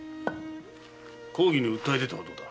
公儀に訴え出てはどうだ？